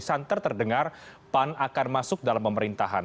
santer terdengar pan akan masuk dalam pemerintahan